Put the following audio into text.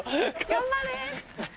頑張れ。